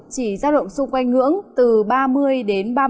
chỉ giao động xung quanh ngưỡng từ ba mươi đến